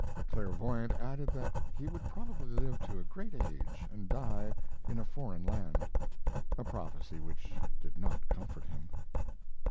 The clairvoyant added that he would probably live to a great age and die in a foreign land a prophecy which did not comfort him.